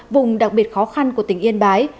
vùng đặc biệt khó khăn của tỉnh yên bái